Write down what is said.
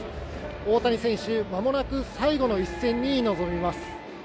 大谷選手、間もなく最後の一戦に臨みます。